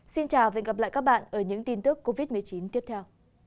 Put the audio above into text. xin chào và hẹn gặp lại các bạn ở những tin tức covid một mươi chín tiếp theo